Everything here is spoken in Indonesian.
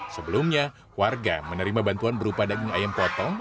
sebelumnya warga menerima bantuan berupa daging ayam potong